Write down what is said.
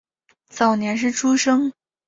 早年是诸生。